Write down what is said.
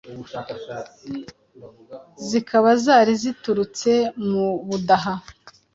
zikaba zari ziturutse mu Budaha.